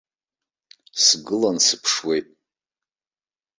Сгылан сыԥшуеит.